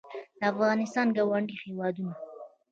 د افغانستان ګاونډي هېوادونه